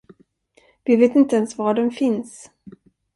Vi vet inte ens var den finns.